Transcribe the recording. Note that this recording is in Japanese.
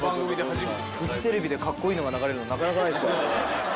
フジテレビでカッコイイのが流れるのなかなかないですからね。